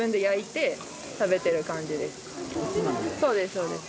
そうですそうです。